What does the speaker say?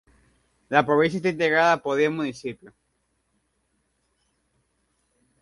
La provincia está integrada por diez municipios.